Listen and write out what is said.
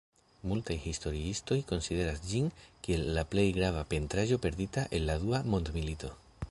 Multaj historiistoj konsideras ĝin kiel la plej grava pentraĵo perdita el la Dua Mondmilito.